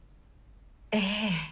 ええ。